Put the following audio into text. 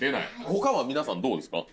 他は皆さんどうですか？